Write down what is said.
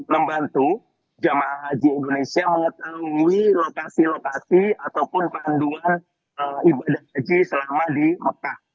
membantu jemaah haji indonesia mengetahui lokasi lokasi ataupun panduan ibadah haji selama di mekah